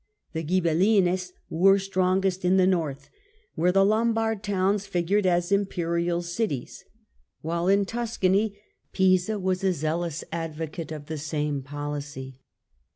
The Ghibelhnes were strongest in the North, where the Lombard towns figured as Imperial cities ; while in Tuscany, Pisa was a zealous advocate of the same policy.